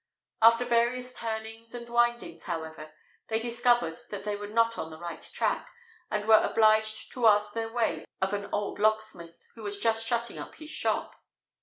After various turnings and windings, however, they discovered that they were not on the right track, and were obliged to ask their way of an old locksmith, who was just shutting up his shop.